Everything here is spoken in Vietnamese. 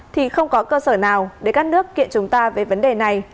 thì không có cơ sở nào để các nước kiện chúng ta về vấn đề này